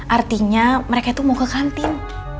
artinya mereka itu mau ke kantin